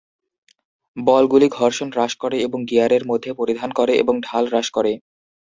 বলগুলি ঘর্ষণ হ্রাস করে এবং গিয়ারের মধ্যে পরিধান করে এবং ঢাল হ্রাস করে।